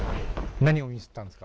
何をミスったんですか。